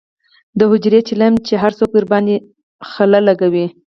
دحجرې چیلم یې هر څوک درباندې خله لکوي.